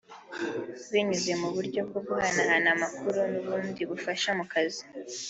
binyuze mu buryo bwo guhanahana amakuru n’ubundi bufasha mu kazi